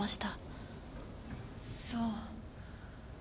そう。